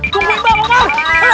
lo mau kemana umar